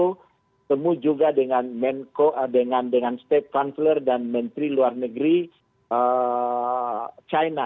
bertemu juga dengan konsep konsep konsep dan menteri luar negeri china